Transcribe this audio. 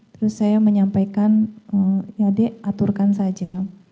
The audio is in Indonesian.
terus saya menyampaikan ya dek aturkan saja